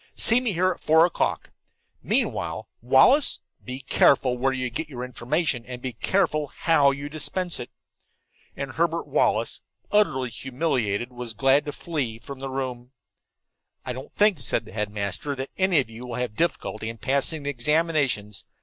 "See me here at four o'clock. Meanwhile, Wallace, be careful where you get information, and be careful how you dispense it." And Herbert Wallace, utterly humiliated, was glad to flee from the room. "I don't think," said the headmaster, "that any of you will have difficulty passing the examinations.